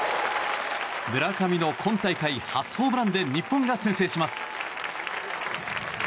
村上の今大会初ホームランで日本が先制します。